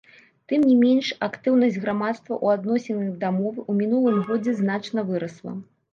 Тым не менш актыўнасць грамадства ў адносінах да мовы ў мінулым годзе значна вырасла.